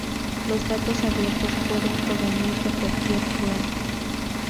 Los datos abiertos pueden provenir de cualquier fuente.